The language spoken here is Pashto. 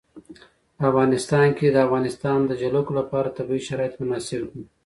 په افغانستان کې د د افغانستان جلکو لپاره طبیعي شرایط مناسب دي.